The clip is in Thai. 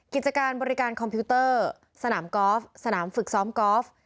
กิจการบริการคอมพิวเตอร์สนามกอล์ฟสนามฝึกซ้อมกอล์ฟ